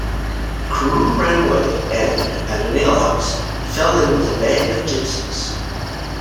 Carew ran away and, at an alehouse, fell in with a band of "gypsies".